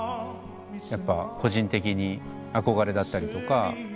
やっぱ個人的に憧れだったりとか。